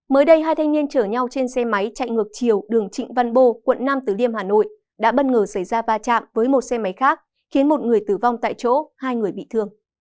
mới đây hai thanh niên chở nhau trên xe máy chạy ngược chiều đường trịnh văn bô quận năm tứ liêm hà nội đã bất ngờ xảy ra va chạm với một xe máy khác khiến một người tử vong tại chỗ hai người bị thương